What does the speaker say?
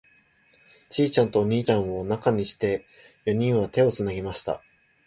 ちいちゃんとお兄ちゃんを中にして、四人は手をつなぎました。